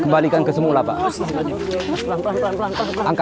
kembalikan kesemua pak